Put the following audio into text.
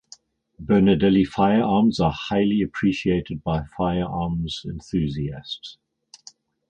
Bernardelli firearms are highly appreciated by firearms enthusiasts.